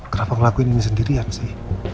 kenapa ngelakuin ini sendirian sih